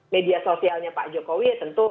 media sosialnya pak jokowi ya tentu